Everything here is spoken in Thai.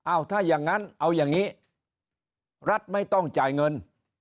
เอาถ้าอย่างนั้นเอาอย่างนี้รัฐไม่ต้องจ่ายเงิน